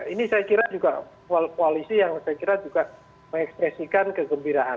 ini saya kira juga koalisi yang saya kira juga mengekspresikan kegembiraan